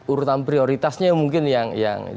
urutan prioritasnya mungkin yang